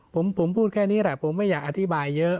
ผมพูดแค่นี้แหละผมไม่อยากอธิบายเยอะ